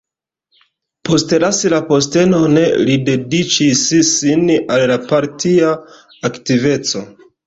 Poste lasi la postenon, li dediĉis sin al la partia aktiveco.